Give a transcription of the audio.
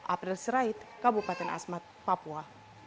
april sirait kabupaten asmat papua